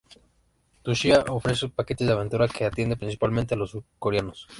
Tsushima ofrece paquetes de aventura que atienden principalmente a los surcoreanos.